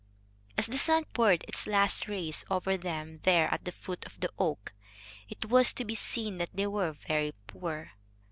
As the sun poured its last rays over them there at the foot of the oak, it was to be seen that they were very poor.